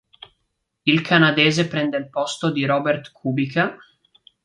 Il canadese prende il posto di Robert Kubica.